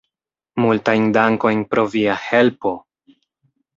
Multajn dankojn pro via helpo!